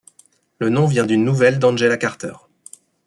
Le nom vient d'une nouvelle d'Angela Carter.